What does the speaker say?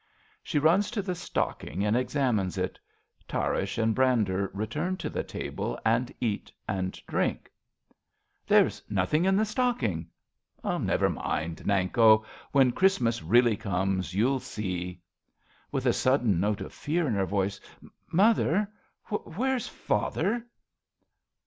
(She runs to the stocking and exam ines it. Tarrasch and Brander 7 etui n to the table and eat and drink.) 40 A BELGIAN CHRISTMAS EVE There's nothing in the stocking. Never mind, Nanko, when Christmas really comes, you'll see. {With a sudden note of fear in her voice.) Mother, where's father